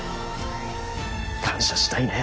感謝したいね。